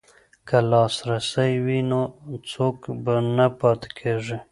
که لاسرسی وي نو څوک نه پاتې کیږي.